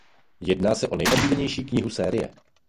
Jedná se o nejoblíbenější knihu série.